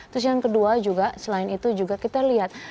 terus yang kedua juga selain itu juga kita lihat